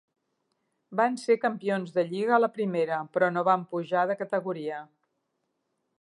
Van ser campions de lliga a la primera, però no van pujar de categoria.